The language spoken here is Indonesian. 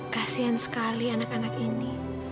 kasian sekali anak anak ini